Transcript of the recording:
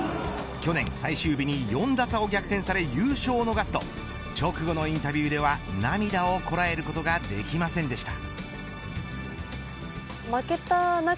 去年最終日に４打差を逆転され優勝を逃すと直後のインタビューでは涙をこらえることができませんでした。